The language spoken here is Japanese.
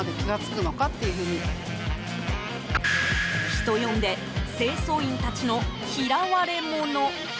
人呼んで清掃員たちの嫌われ者。